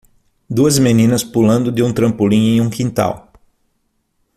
Duas meninas pulando de um trampolim em um quintal.